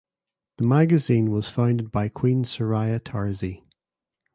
The magazine was founded by Queen Soraya Tarzi.